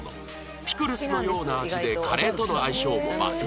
ピクルスのような味でカレーとの相性も抜群